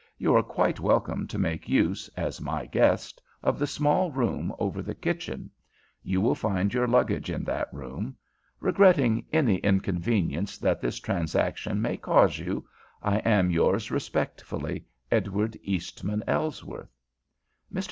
You are quite welcome to make use, as my guest, of the small room over the kitchen. You will find your luggage in that room. Regretting any inconvenience that this transaction may cause you, I am, Yours respectfully, EDWARD EASTMAN ELLSWORTH. Mr.